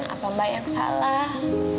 apa mbak yang salah